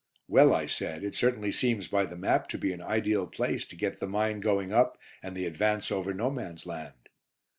"Well," I said, "it certainly seems by the map to be an ideal place to get the mine going up and the advance over 'No Man's Land.'"